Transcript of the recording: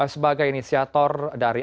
sebagai inisiator dari